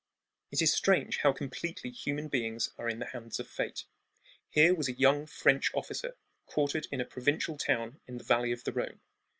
It is strange how completely human beings are in the hands of fate. Here was a young French officer quartered in a provincial town in the valley of the Rhone.